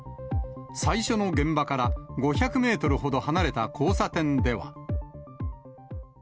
最初の現場から５００メートルほど離れた交差点では。